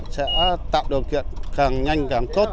sẽ tạo điều kiện càng nhanh càng tốt